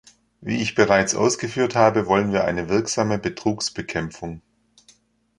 Wie ich bereits ausgeführt habe, wollen wir eine wirksame Betrugsbekämpfung.